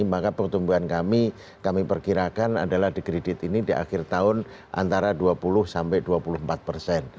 maka pertumbuhan kami kami perkirakan adalah di kredit ini di akhir tahun antara dua puluh sampai dua puluh empat persen